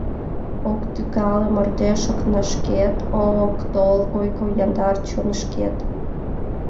Ок тӱкале мардеж окнашкет, Ок тол ойго яндар чонышкет.